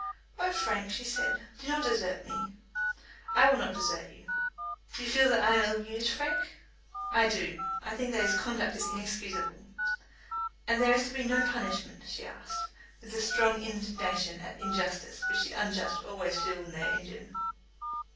"Oh, Frank," she said, "do not desert me." "I will not desert you." "You feel that I am ill used, Frank?" "I do. I think that his conduct is inexcusable." "And there is to be no punishment?" she asked, with that strong indignation at injustice which the unjust always feel when they are injured.